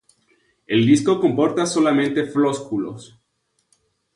El disco comporta solamente flósculos.